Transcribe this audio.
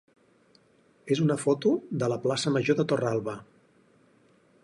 és una foto de la plaça major de Torralba.